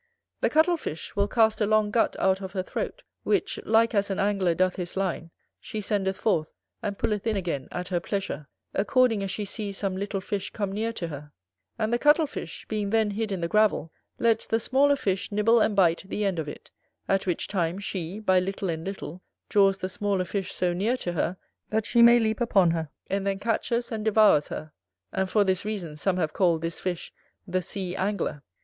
The Cuttle fish will cast a long gut out of her throat, which, like as an Angler doth his line, she sendeth forth, and pulleth in again at her pleasure, according as she sees some little fish come near to her; and the Cuttle fish, being then hid in the gravel, lets the smaller fish nibble and bite the end of it; at which time she, by little and little, draws the smaller fish so near to her, that she may leap upon her, and then catches and devours her: and for this reason some have called this fish the Sea angler.